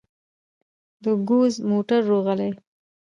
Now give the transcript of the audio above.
د ګوز موتر روغلى.